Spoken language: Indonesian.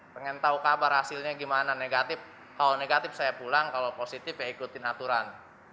pengen tahu kabar hasilnya gimana negatif kalau negatif saya pulang kalau positif ya ikutin aturan